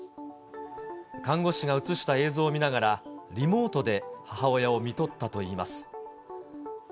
看護師が写した映像を見ながら、リモートで母親をみとったといいます。